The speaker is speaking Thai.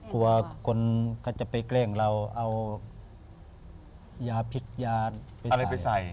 กลัวคนเขาจะไปเกลี้ยงเราเอายาผิดใส่